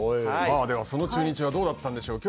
ではその中日はどうだったんでしょうか。